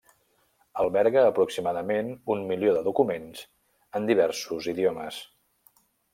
Alberga aproximadament un milió de documents, en diversos idiomes.